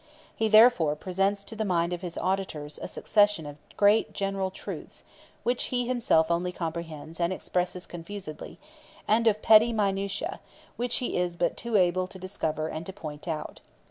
He therefore presents to the mind of his auditors a succession of great general truths (which he himself only comprehends, and expresses, confusedly), and of petty minutia, which he is but too able to discover and to point out.